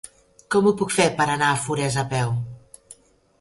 Com ho puc fer per anar a Forès a peu?